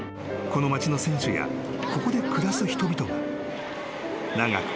［この町の選手やここで暮らす人々が長く